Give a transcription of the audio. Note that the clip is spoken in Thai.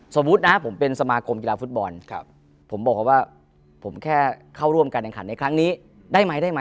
สมมุตินะผมเป็นสมาคมกีฬาฟุตบอลผมบอกเขาว่าผมแค่เข้าร่วมการแข่งขันในครั้งนี้ได้ไหมได้ไหม